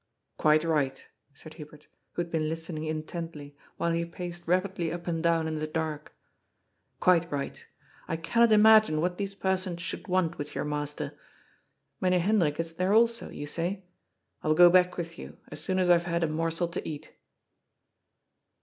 " Quite right," said Hubert, who had been listening in tently, while he paced rapidly up and down in the dark. " Quite right I cannot imagine what these persons should want with your master. Mynheer Hendrik is there also, you say ? I will go back with you, as soon as I have had a morsel to eat."